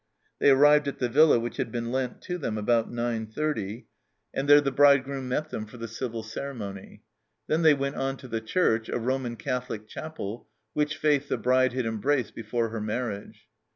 They arrived at the villa which had been lent to them about 9.30, and there 260 THE CELLAR HOUSE OF PERVYSE the bridegroom met them for the civil ceremony. Then they went on to the church, a Roman Catholic chapel, which faith the bride had embraced before her marriage.